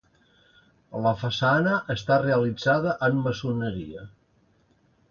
La façana està realitzada en maçoneria.